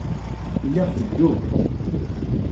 Lliɣ bedduɣ.